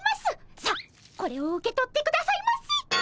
さあこれを受け取ってくださいませ。